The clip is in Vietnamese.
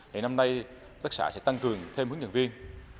thì năm nay hợp tác xã sẽ tăng cường thêm hướng nhận viên